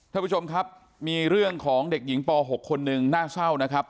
ท่านผู้ชมครับมีเรื่องของเด็กหญิงป๖คนหนึ่งน่าเศร้านะครับ